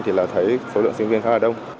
thì là thấy số lượng sinh viên khá là đông